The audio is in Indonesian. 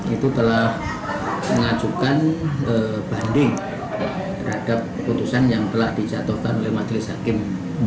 itu telah mengajukan banding terhadap putusan yang telah dijatuhkan oleh majelis hakim